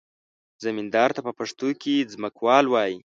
زمیندار ته په پښتو کې ځمکوال وایي.